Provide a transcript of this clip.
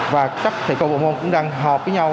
và các thầy cô bộ môn cũng đang hợp với nhau